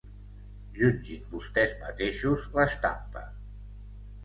Jutgin vostès mateixos l'estampa.